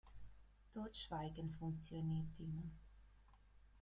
Totschweigen funktioniert immer.